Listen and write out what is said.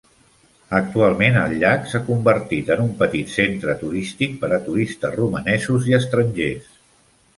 Actualment, el llac s'ha convertit en un petit centre turístic per a turistes romanesos i estrangers.